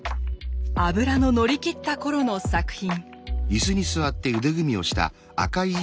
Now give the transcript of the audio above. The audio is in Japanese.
脂の乗り切った頃の作品。